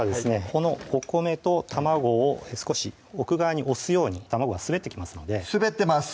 このお米と卵を少し奥側に押すように卵が滑ってきますので滑ってます！